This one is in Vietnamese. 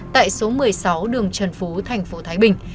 tại số một mươi sáu đường trần phú tp thái bình